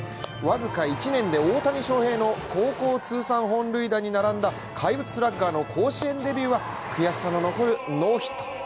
僅か１年で大谷翔平の高校通算本塁打に並んだ怪物スラッガーの甲子園デビューは悔しさの残るノーヒット。